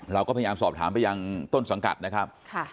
เราก็พยายามสอบถามไปยังต้นสังกัดนะครับ